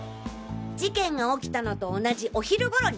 事件が起きたのと同じお昼頃に。